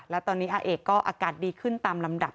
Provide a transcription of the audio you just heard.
แล้วตอนนี้อาเอกก็อากาศดีขึ้นตามลำดับ